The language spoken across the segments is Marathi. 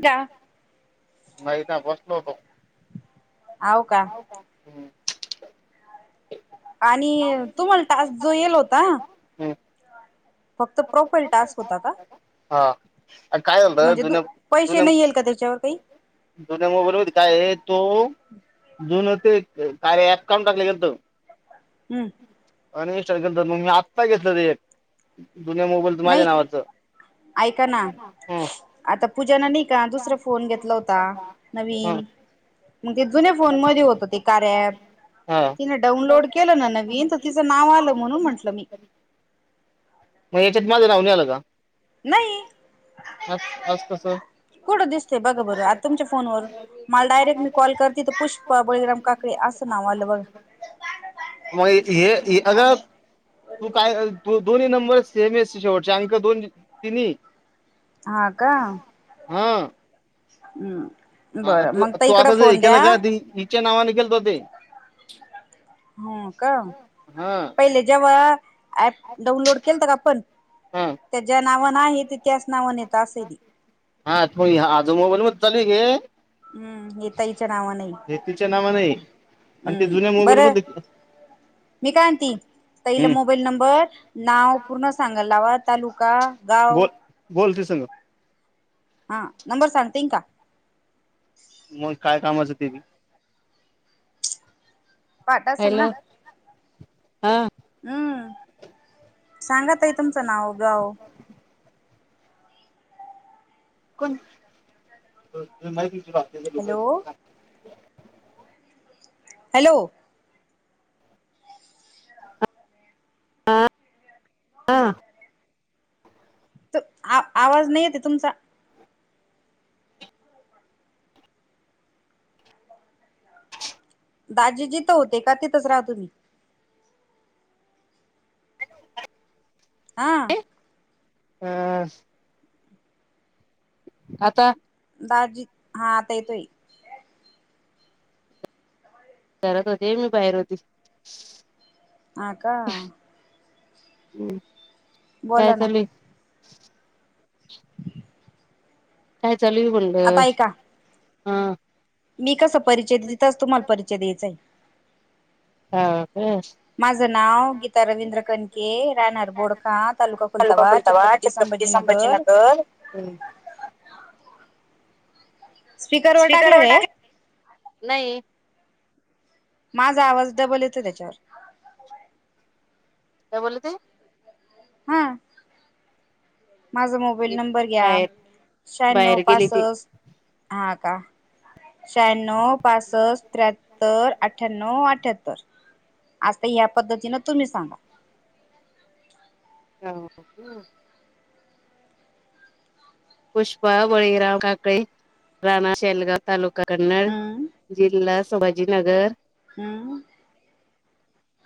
का नाहीता बसलो होतो हो का हम्म आणि तुम्हाला टास्क जो येल होता हम्म, फक्त प्रोफाईल टास्क होता का अ काय झालत म्हणजे तू जुन पैसे जुन नाही येईल का त्याच्यावर काही जुन्या मोबाईल होती काय तो जुन हो ते काय अकाउंट टाकले गत हम्म आणि इनस्टार्ट के मग मी आत्ता घेतलं रे एक दुन्या मोबाईल तर माझ्या नावाचं ऐकना हम्म, आता पूजा न नाही का दुसरा फोन घेतला होता हम्म, नवीन मग ते जुन्या फोन मध्ये होत ते कार प हा तिन डाउनलोड केलं ना न तिं नाव आलं म्हणून म्हटलं मी मग याच्यात माझं नावून आलं का नाही आज आज कसं कुठं दिसतय बघं बर आता तुमच्या फोनवर मला डायरेक्ट मी कॉल करते तर पुष्प बळीगाम का कडे हसना वाल बग मग हे अगर [unintelligible] तू काय दोन्ही नंबर सेम एस शेवटचे आणख दोन तिन्ही हा का हा हम्म हा बरं मग त तर तू इकडं आता ज हे फोन केलं द्या का हिच्या नावाने खेलत हो ते हो का हा पहिले जेव्हा ऍप डाउनलोड केल का आपण हा त्याच्या नावान आहे त त्याच नाव नेत असे हा तो आज मोबाईल मध्ये चालू घे हम्म येताईच्या नावा नाही तिच्या नावान आहे आणि ते जुन्या हम्म मोबाईल बरं मध्ये मी कायती तईला हम्म मोबाईल नंबर नाव पूर्ण सांगाल लावा तालुका गाव बोल बोलते सांग हा नंबर सांग तेंका मग काय कामाचं ते मी पाठ असेल ना हम्म सांगातई तुमचं नाव गाव कोण म तुची वाात [unintelligible] हॅलो हॅलो हां हां आवाज नाही येते तुमचा दाजीजीथ होते का तिथंच राह तुम्ही हा आ आता दाजी हा तेेतोय करत होते मी बाहेर होती आका ् काय बोला ना चाल काय चलवड आता ऐका हा मी कस परिचय देते तच तुम्हाला परिचय द्यायचा आहे हो [unintelligible] का माझं नाव गीता रवींद्र कणके राहणार बोडखा तालुका स्प खुलताबाद फुलत वा छत्रपती संभाजीनगर स्पीकरवर स्पीकर टाकला व काय टाका नाही माझा आवाज डबल येतो त्याच्यावर काय बोलती हा माझा मोबाईल नंबर घ्या बाहेर शहाण्णव बाहेर गेले ते पासष्ट हा का शहाण्णव पासष्ट त्र्याहत्तर अठ्ठ अठ्यात्तर आजता ह्या पद्धतीने तुम्ही सांगा ह [unintelligible] पुष्पा बळीराव काकळी राणा शेलगाव तालुका कन्नड हम्म जिल्हा संभाजीनगर हम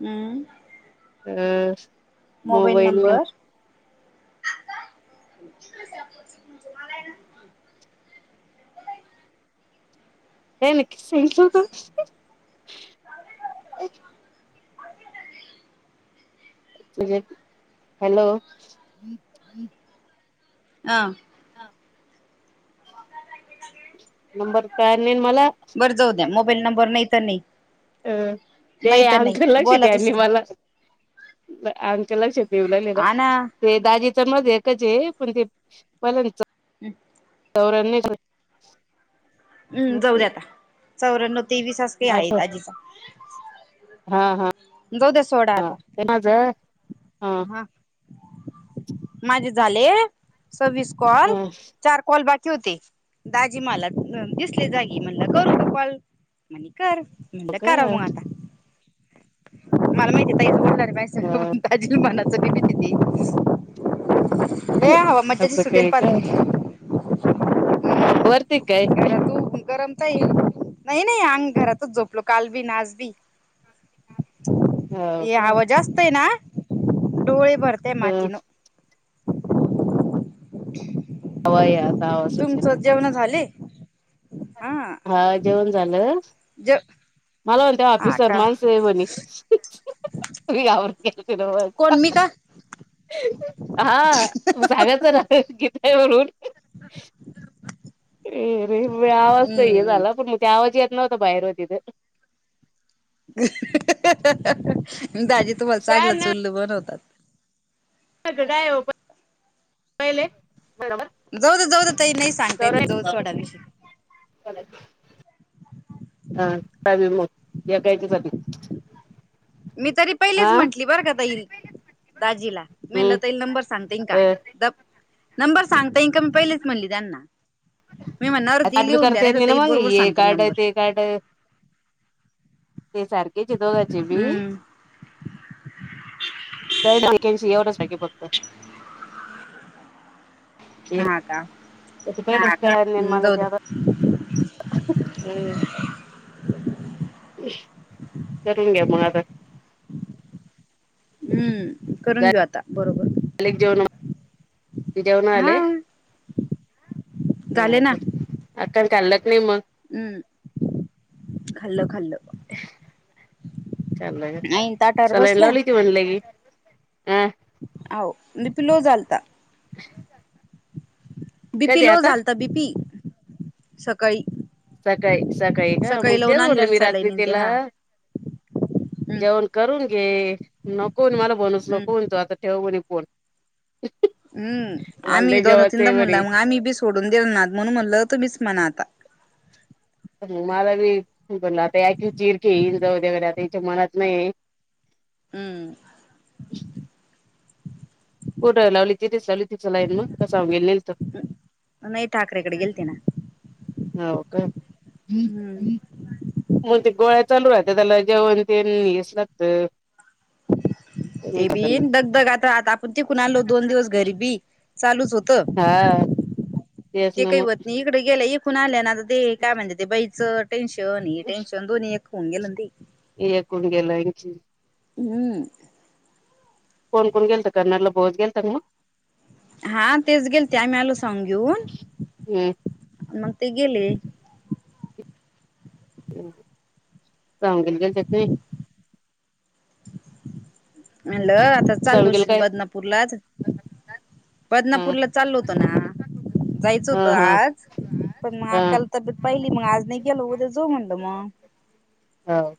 हम्म अ मोबाईल नंबर को म्हणज मला आहे ना नाही नकी ससत हॅलो ह हा नंबर काय नाही मला बरं जाऊ द्या मोबाईल नंबर नाही तर नाही अं ते नाही तर अंकल नाही लक्ष बोला त्यांनी दुसरं मला अकलाचे पेवलाला आना ते दाजीच मज कच पण ते पलंतच हम् तररच [unintelligible] हम् जाऊ द्या आता चौऱ्याण्णव तेवीस अस काही आठ आहेत आजीचा हा हा जाऊद्या सोडा आता ते माझं हा माझे झाले सविस कॉल हो चार कोलबाकी होते दाजीमाला दिसले जागी म्हणलं करूॉल म्हणे कर म्हणलं करा का मग आता मला माहिती आहे तहीच बोलणार रे मा ताज मनात ि हवा मज्जाची असं सुटेल काय पार का वरती काय घरातू गरमता ये नाही नाही अंग घरातच झोपलो काल बी नाच बी हो य का हवा जास्तयना डोळी बरते हवा माातनु आव या आता आवा सुटलेली झा हा जेवण झालं ह मला म्हणते हऑफिसर मानसेहेबनी त आावर धनवाद कोण मी का हा सांगायच ना कीथय म्हणून अ रे वळ आवाज तर ये हम्म झाला पण मग त्या आवाज येत नव्हता बाहेरवर तिथे दाजे तुम्हाला चांगलं शान चुल्ल बनवतात घडा पहिले बरोबर जाऊ जाऊ द तही नाही सांगता येते जाऊ सवडाांवियी कला हा बाय ब म या कायच्यासाठी मी तरी पहिलेच म्हंटली बर काताईल दाजीला हम्म मेलं तल नंबर सांगते का अ द नंबर सांगता इनका मी पहिलेच म्हणली त्यांना मी म्हणणार अरे ती लिहून द्या ना तर ते बरोबर सांगते नंबर ट ते सारखे चितोघाचे बी हम्म तर वक एवढचख बघत हा का प हम्म मला जाऊ दे त्या हम्म करून घ्या मग आता हम्म करून घेऊ आता बरोबर अलेक जेवण जेवण हा आले झाले ह अकन कल्लक नि म हम् चा ताटावर सलाईन बसल्या लावली होती म्हणले मी हं होह लीपिलो झालता श करत बीपी लो झालता बीपी सकाळी सकाळी सकाळी का मग लावून तेच मटलं आणल्या मी रात्री सलाईन ते तीला हा हम्म जेवण करून घे नको ना मला बनु हम्म नकण तो आता ठेवणे कोण हम् आम्ही दोनदा तीनदा म्हनला मग आम्ही बी सोडून दिला नाद म्हणून म्हणल तुम्हीच म्हणा आता ग मला मी बोल आता चिरकी येन जाऊग आता याच्या मनात नाही हम्म [inaudible] कुठ लावली तिथेचली तिचं लाईन मग कसेल नत नाही ठाकरेकडे गेलते ना हवो का हम्म मग ते गोळ्या चालू राहत्या त्याला जेवण ते तर ते बी दग दग आता आहता आपण तीकून आणलो दोन दिवस घरीबी चालूच होत हा तेच ते ना काही मग होत नाही तकडे गेला एकून आल्या ना आता ते काय म्हणत ते बईचं टनश हो टनशन दधोनी एक खन गे लदी ह कुण गेला इची हम्म कोण कोण गेलत कर्नलला बोच गेलथा का मग हा तेच गेल ते आम्ही आलो सन घेऊन हम्म सांगल गेलत्या की मनल आता चाललो सावंगीला काय बदनापूरलाच हा बदनापूरला चालल होतो ना जायचं होत हा हा आज पण म अकाल तब्येत पहिली मग आज नाही गेलो उद्या जो म्हणलं मग हं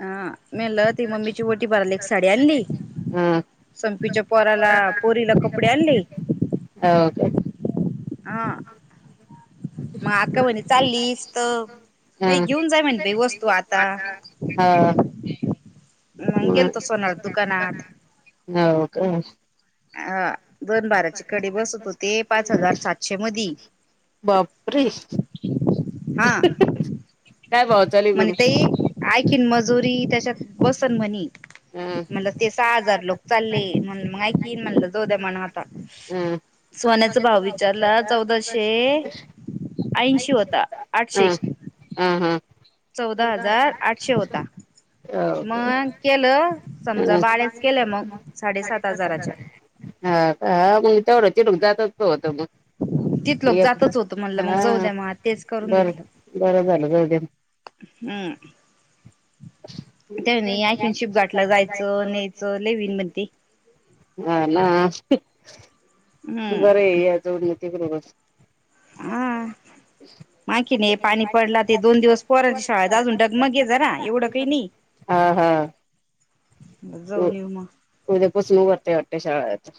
हा मे मनल ती मम्मीची ओटी भारयला एक साडी आणली. संफीच्या पोराला पोरीला कपडे आणले. हो का? आ मग अक्का म्हणे चाललीस तर काही घेऊन जाय म्हणई वस्तू आता. म नाही गेलतो सोनाराच्या दुकानात. हो का? हा दोन बाराची कडी बसत होते पाच हजार सातशे मधी. बापरे! हा काय भाव चालु ये सोन? ऐकिन मजुरी त्याच्यात बसन म्हणी. अ म्हणलं ते सहा हजार लोक चालले म्हण ऐ म्हणलं चोद्या म्हण आता अ सोन्याचा भाव विचारला चौदाशे ऐंशी होता आठशे ह हां चौदा हजार आठशे होता ओके मग. केलं समजा बाळ्या च केलं मग साडेसात हजार हजाराच्या आहे. हा का हा मग तेवढं तीडूक जातच होत मग. तिथ लोक एक जातच होतं म्हणलं मग जाऊ हा द्या मग तेच करून बर घेतलं बरं झालं जाऊद्या मग. हम्म त्यानी ऐन शिपघाट ला जायचं न्यायचं लेवीन मध्ये ह ना आस हम्म बरं आहे याजोडूनती बरोबर. हा आणखी हा नाही पाणी पडला ते दोन दिवस पोरांच्या शाळेत अजून डगमगे जरा एवढं काही नाही [unintelligible] ते जाऊन येऊ मग. पुुसनू वरते शाळेत.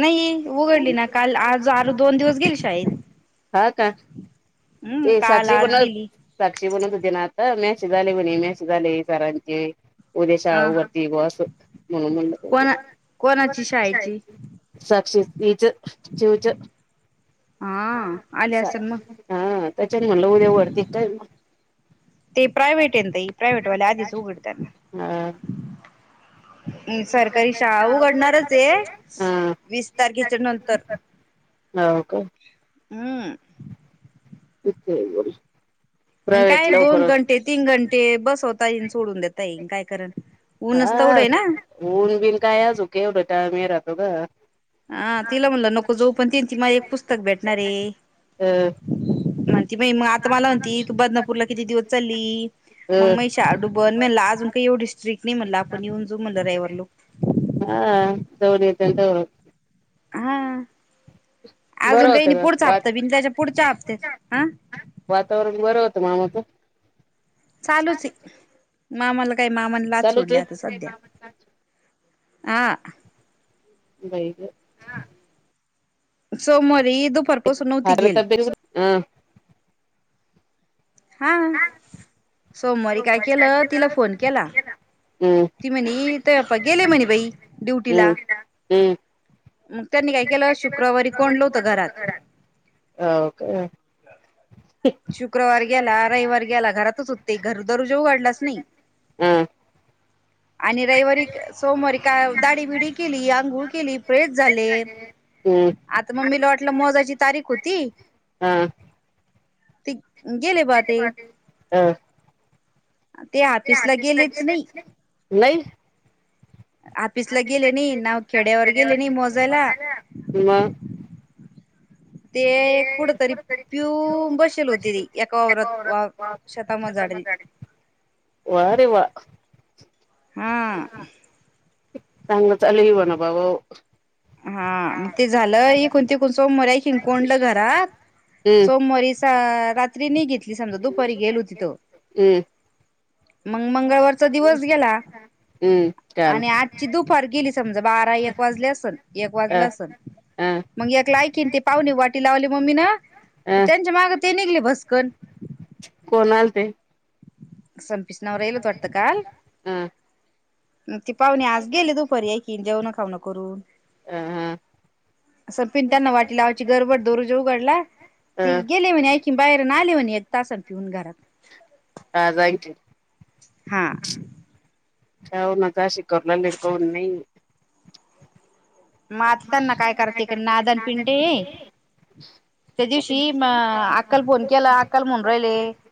नाही उघडली ना काल आज आरू दोन दिवस गेली शाळेत हा का? हम्म [unintelligible] काल साक्षी आज गेली म्हणत होते ना आता मेसेज झाले म्हणे मॅसेज आले सरांचे. उद्या अ शाळावरती व अस म्हणून कोणा कोणाची शा शाळेची साक्षी च चूच हा आले असेल मग हा त्याच्यान म्हणलं उद्या वरती काय? ते प्रायव्हेट यई प्रायव्हेटवाल्या आधीच उघडताना. ह एकारख शाळा उगडणारच आहे वीस तीस तारखेच्या तारखेच नंतर हो का? हम् ठीक आहे बर. आणि काय दोन घंटे तीन घंटे बसवता येई सोडून देताई काय करण ऊनच तेवढं हा आहे ना ऊन बीन काय अजूक एवढं टायम ये राहतो ग. हा तिला म्हणलं नको जोऊ पण ती त मला एक पुस्तक भेटणारे अ म्हण. आता मला म्हणती तू बदलापूरला किती दिवस चालली? मग अ म शाळा डुबन म्हणलं अजून काही येव डस्ट्रिकट नाही म्हणलं आपण येऊन जाऊ म्हणलं रावर लो हा दौडी येत तौ हा अजून बरं काही नाही होतं ग पुढचा वा हप्त बिन त्याच्या पुढच्या हपत हा वातावरण बरं होतं मामाचं चालूच आहे मामाला काय मामाने लाच चालूच सोडल्या आता आहे. सध्या आ बईग सोमरी द भरत ब हह. हा सोमवारी काय केलं तिला फोन केला. हम्म. ती म्हणे ते गेले म्हणे बाई ड्युटीला हम्म हम्म मग त्यांनी काय केलं शुक्रवारी कोणलं होतं घरात अ ओके शुक्रवार गेला रविवार गेला घरातच होते घर दरू जाेऊ वाडलाच नाही हम आणि रविवारी सोमवारी काय दाडी बिडी केली आंघोळ केली प्रेस झाले हम्म आता मग मीला वाटलं मोजाची तारीख होती हा ते गेले बा ते वा ते ऑफिसला आर्टिस् गेलेच लागेली नाही लई ऑफिसला आऑफिस गेले लाग नाही गेलेली ना खेड्यावर खड्यावरर नाही गेले मोजायला मोझाला ते कुठ तरी पिऊ बसेल होते ती एका वावरात शताम जाडल वारे वा हा चांगलं चालू ब ना बाबा हा मग ते झालं कोणती कोण सोमर आहे हिंकोंडल घरात हम्म सोमवारीच अ रात्री नि घेतली समजा दुपारी गेल होती तो हम्म मग मंगळवारचा दिवस गेला हम्म चाल आणि आजची दुपार गेली समजा बारा एक वाजली असन एक अ वाजलं असल अ मग एकला ऐकन ते पाहुणे वाटी लावली मम्मी ना अ त्यांच्या माग ते निघले भस्कन कोणाल ते संपस नवर राहिल तोडतां काल अ ते पाहुणे आज गेले दुपारी एकऐ की जेवण खाऊ न करून अ हा अस पिंटताना वाटला आवची गरबड दोरजे उघडला अ ती गेले म्हणे की बाहेर ना आले म्हणे एक तासन पिऊन घरात हगत हा हऊ न जा शिकरला लकन नाही म आता त्यांना काय करते का नादन पिंडे त्या दिवशी म अक्कल फोन केला अक्काल म्हून राहिले